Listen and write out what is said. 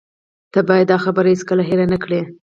ته باید دا خبره هیڅکله هیره نه کړې